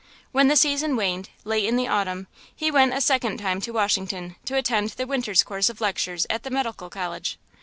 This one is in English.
When the season waned, late in the autumn, he went a second time to Washington to attend the winter's course of lectures at the Medical College.